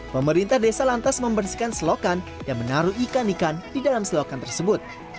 pemerintah desa lantas membersihkan selokan dan menaruh ikan ikan di dalam selokan tersebut